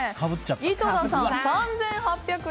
井戸田さん、３８００円。